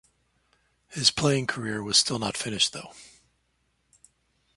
His playing career was still not finished though.